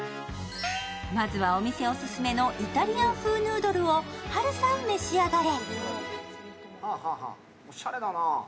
まずはお店オススメのイタリアン風ヌードルをはるさん、召し上がれ。